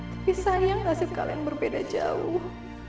tapi sayang nasib kalian berbeda jauh